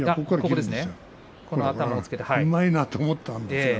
うまいなと思ったんですよ。